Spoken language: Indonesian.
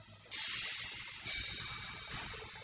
mau jadi kayak gini sih salah buat apa